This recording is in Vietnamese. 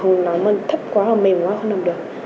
nó thấp quá hoặc mềm quá không nằm được